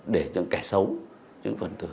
để những kẻ xấu những phần thứ